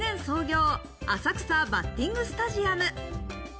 １９９８年創業、浅草バッティングスタジアム。